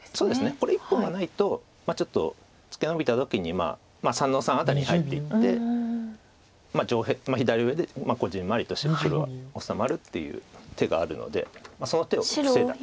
これ１本がないとちょっとツケノビた時にまあ３の三辺りに入っていって左上でこぢんまりとして黒は治まるっていう手があるのでその手を防いだと。